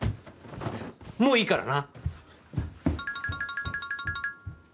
もういいからな。